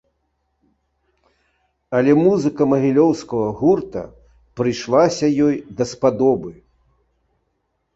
Але музыка магілёўскага гурта прыйшлася ёй даспадобы.